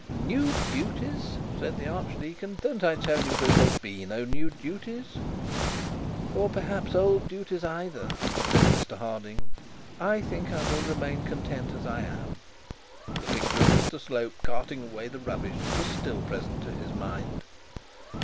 'New duties!' said the archdeacon: 'don't I tell you there shall be no new duties?' 'Or, perhaps, old duties either,' said Mr Harding; 'I think I will remain content as I am.' The picture of Mr Slope carting away the rubbish was still present to his mind.